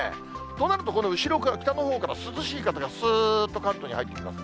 となると、この後ろから北の方から涼しい風がすーっと関東に入ってきます。